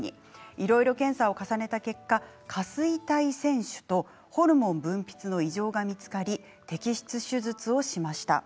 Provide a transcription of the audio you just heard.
いろいろ検査を重ねた結果下垂体腺腫とホルモン分泌の異常が見つかり摘出手術をしました。